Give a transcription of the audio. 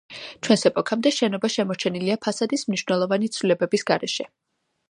ჩვენს ეპოქამდე შენობა შემორჩენილია ფასადის მნიშვნელოვანი ცვლილებების გარეშე.